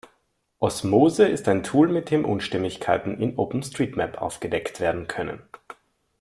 Osmose ist ein Tool, mit dem Unstimmigkeiten in OpenStreetMap aufgedeckt werden können.